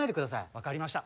分かりました。